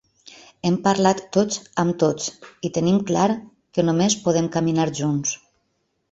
Hem parlat tots amb tots i tenim clar que només podem caminar junts.